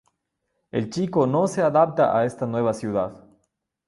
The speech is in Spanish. El chico no se adapta a esta nueva ciudad.